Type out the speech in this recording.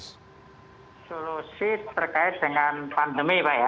solusi terkait dengan pandemi pak ya